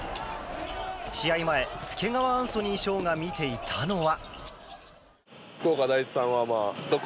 試合前、介川アンソニー翔が見ていたのは。